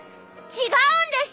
違うんです。